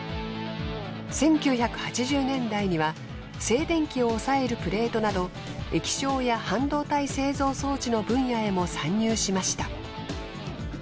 １９８０年代には静電気を抑えるプレートなど液晶や半導体製造装置の分野へも参入しました。